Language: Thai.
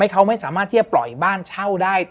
เขาไม่สามารถที่จะปล่อยบ้านเช่าได้